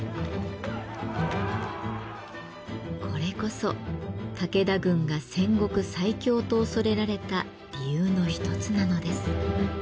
これこそ武田軍が戦国最強と恐れられた理由の一つなのです。